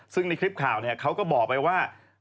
ซึ่งในคลิปข่าวเขาก็บอกไปว่า